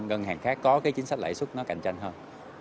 để những ngân hàng khác có cái chính sách lãi suất nó cạnh tranh hơn